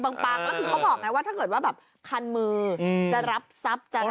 แล้วคือเขาบอกไงว่าถ้าเกิดว่าแบบคันมือจะรับทรัพย์จะรับ